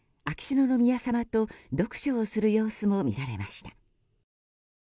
秋篠宮さまと読書をする様子も見られました。